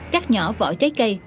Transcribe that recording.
cắt nhỏ vỏ trái cây